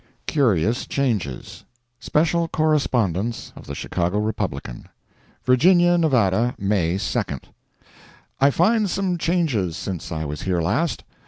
CURIOUS CHANGES. Special Correspondence of the Chicago Republican VIRGINIA, Nevada, May 2. I find some changes since I was here last.